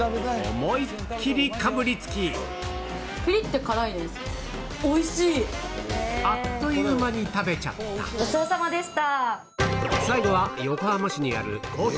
思いっ切りかぶりつきあっという間に食べちゃったごちそうさまでした。